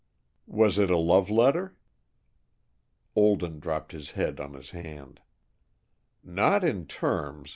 "Was it a love letter?" Olden dropped his head on his hand. "Not in terms.